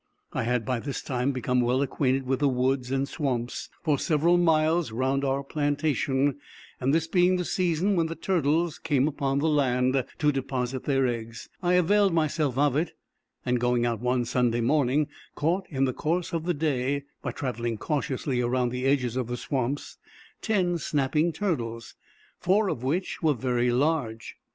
I had, by this time, become well acquainted with the woods and swamps for several miles round our plantation; and this being the season when the turtles came upon the land, to deposit their eggs, I availed myself of it, and going out one Sunday morning, caught, in the course of the day, by traveling cautiously around the edges of the swamps, ten snapping turtles, four of which were very large.